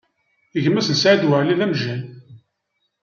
Gma-s n Saɛid Waɛli, d amejjay.